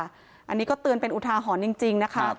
อันนี้ก็เป็นอุทาหอนจริงนะคะ